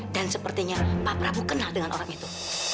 dan sepertinya pak prabu kenal dengan orang itu